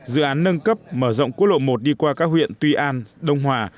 dự án nâng cấp mở rộng quốc lộ một đi qua các huyện tuy an đông hòa